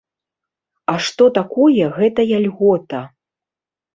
А што такое гэтая льгота?